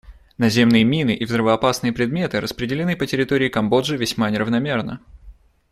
Наземные мины и взрывоопасные предметы распределены по территории Камбоджи весьма неравномерно.